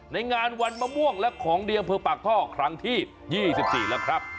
ในงานวันมะม่วงและของดีอำเภอปากท่อครั้งที่๒๔แล้วครับ